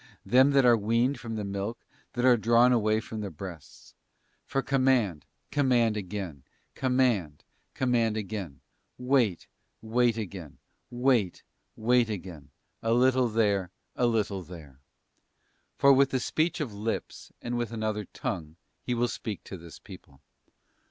Them that are weaned from the milk, that are drawn away from the breasts. For command, command again; command, com mand again; wait, wait again; wait, wait again; a little there, a little there. For with the speech of lips, and with another tongue He will speak to this people.